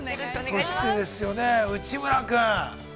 ◆そしてですよね、内村君。